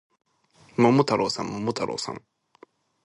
桃太郎さん、桃太郎さん